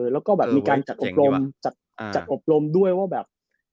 แล้วก็มีการจัดอบรมด้วยว่าแบบ